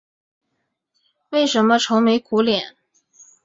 为什么愁眉苦脸？